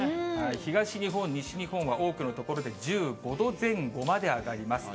東日本、西日本は多くの所で１５度前後まで上がります。